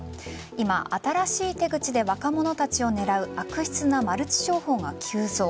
今、新しい手口で若者たちを狙う悪質なマルチ商法が急増。